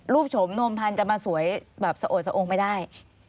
โฉมนวมพันธ์จะมาสวยแบบสะโอดสะองไม่ได้